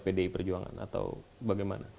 pdi perjuangan atau bagaimana